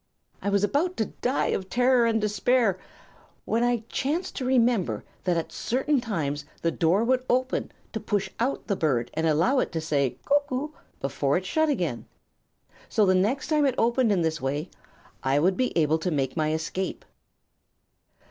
I was about to die of terror and despair when I chanced to remember that at certain times the door would open to push out the bird and allow it to say 'Cuck oo!' before it shut again. So, the next time it opened in this way, I would be able to make my escape.